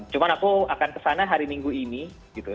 cuma aku akan kesana hari minggu ini gitu